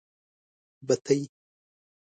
بتۍ.